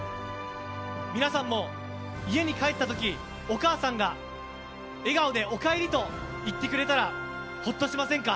皆さんも家に帰った時お母さんが笑顔でおかえりと言ってくれたらほっとしませんか？